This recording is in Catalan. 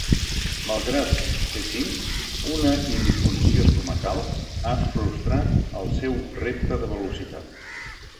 Malgrat fer cim, una indisposició estomacal, ha frustrat el seu repte de velocitat.